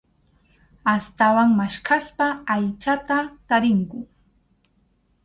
Astawan maskhaspa aychata tarinku.